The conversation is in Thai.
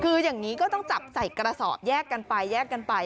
คืออย่างนี้ก็ต้องจับใส่กระสอบแยกกันไป